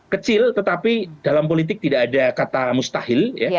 kecil tetapi dalam politik tidak ada kata mustahil